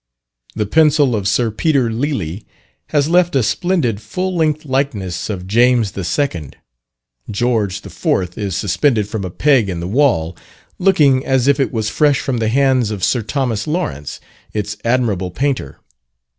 The pencil of Sir Peter Lely has left a splendid full length likeness of James II. George IV. is suspended from a peg in the wall, looking as if it was fresh from the hands of Sir Thomas Lawrence, its admirable painter.